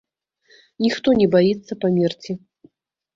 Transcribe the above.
Ніхто не баіцца памерці.